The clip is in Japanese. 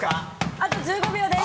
あと１５秒です。